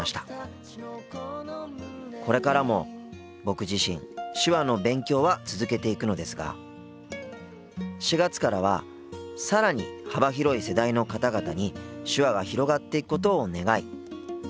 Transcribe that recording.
これからも僕自身手話の勉強は続けていくのですが４月からは更に幅広い世代の方々に手話が広がっていくことを願い